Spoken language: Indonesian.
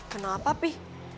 kenal apa pi